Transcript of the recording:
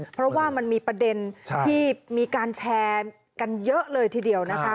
เพราะว่ามันมีประเด็นที่มีการแชร์กันเยอะเลยทีเดียวนะคะ